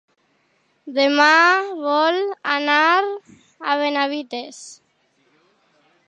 Demà vol anar a Benavites.